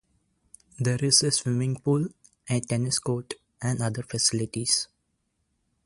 There is a swimming pool, a tennis court, and other facilities.